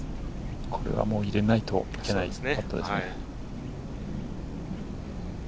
これはもう入れないといけないですね。